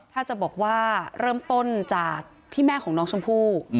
ถ้าจะบอกว่าเริ่มต้นจากที่แม่ของน้องชมพู่